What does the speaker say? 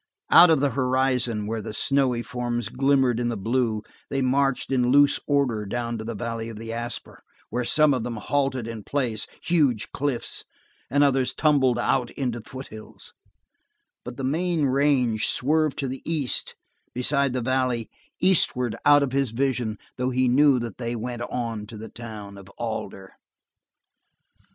Out of the horizon, where the snowy forms glimmered in the blue, they marched in loose order down to the valley of the Asper, where some of them halted in place, huge cliffs, and others stumbled out into foothills, but the main range swerved to the east beside the valley, eastward out of his vision, though he knew that they went on to the town of Alder.